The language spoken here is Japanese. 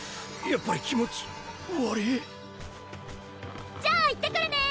やっぱり気持ち悪いじゃあ行ってくるね